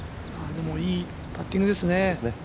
でも、いいパッティングですね。